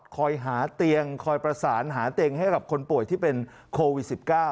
คอยหาเตียงคอยประสานหาเตียงให้กับคนป่วยที่เป็นโควิด๑๙